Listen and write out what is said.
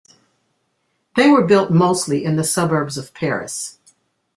They were built mostly in the suburbs of Paris.